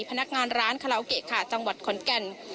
พนักงานร้านคาราโอเกะค่ะจังหวัดขอนแก่น